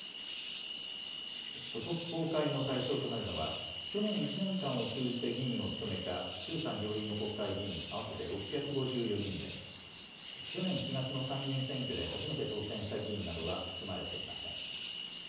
所得公開の対象となるのは去年１年間を通じて議員を務めた衆参両院の国会議員合わせて６５４人で去年７月の参議院選挙で初めて当選した議員などは含まれていません。